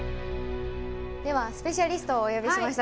ではスペシャリストをお呼びしましたので。